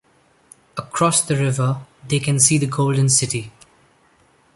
Across the river, they can see the golden city.